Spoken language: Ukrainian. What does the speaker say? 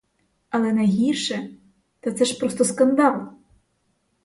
Але найгірше, — та це ж просто скандал!